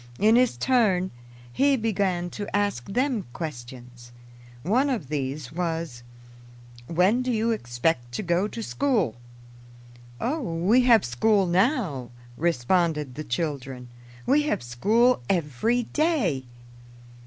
In his turn, he began to ask them questions. One of these was, "When do you expect to go to school?" "Oh, we have school now," responded the children. "We have school every day."